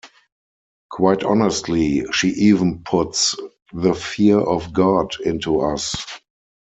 Quite honestly, she even puts the fear of God into us.